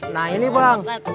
nah ini bang